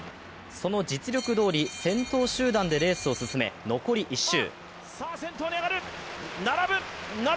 その実力どおり、先頭集団でレースを進め、残り１周。